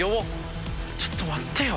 ちょっと待ってよ。